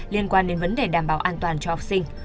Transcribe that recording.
liên quan đến vấn đề đảm bảo an toàn cho học sinh